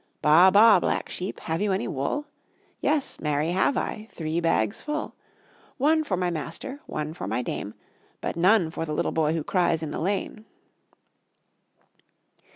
Bah, bah, black sheep, Have you any wool? Yes, marry, have I, Three bags full; One for my master, One for my dame, But none for the little boy Who cries in the lane.